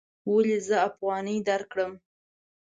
ولې زه افغانۍ درکړم؟